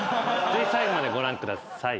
ぜひ最後までご覧ください。